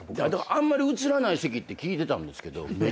あんまり映らない席って聞いてたんですけど。